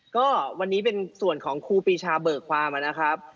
ก็วันนี้เป็นส่วนของครูปีชาเบิกความนะครับ